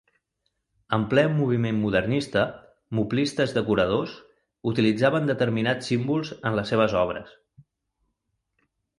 En ple moviment modernista, moblistes decoradors, utilitzaven determinats símbols en les seves obres.